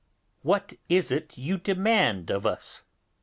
What is it you demand of us?